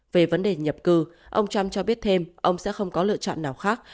về vấn đề nhập cư ông trump cho biết thêm ông sẽ không có lựa chọn nào khác